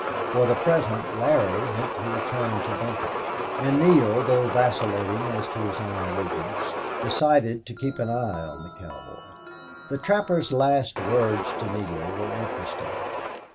For the present Larry meant to return to Benton, and Neale, though vacillating as to his own movements, decided to keep an eye on the cowboy. The trapper's last words to Neale were interesting.